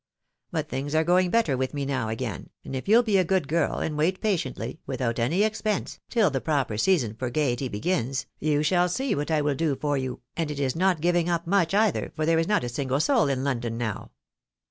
But things are going better with me now again, and if you'll be a good girl, and wait patiently, without any expense, till the proper season for gaiety begins, you shall see what I will do for you ; and it is not giving up much, either, for there is not a single soul in London now."